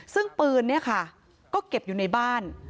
ซึ่งปืนเนี่ยค่ะก็เก็บอยู่ในบ้าน